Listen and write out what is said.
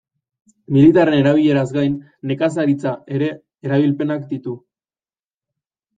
Militarren erabileraz gain nekazaritza ere erabilpenak ditu.